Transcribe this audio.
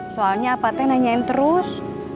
soalnya apa teh nanyain terus